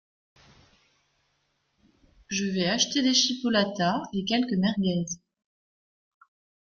Je vais acheter des chipolatas et quelques merguez.